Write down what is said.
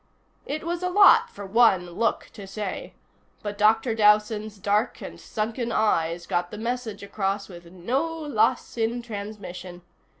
It was a lot for one look to say, but Dr. Dowson's dark and sunken eyes got the message across with no loss in transmission.